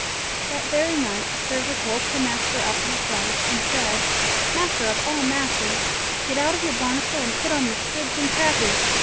'" That very night the servant woke her master up in a fright and said: "Master of all Masters, get out of your barnacle and put on your squibs and crackers.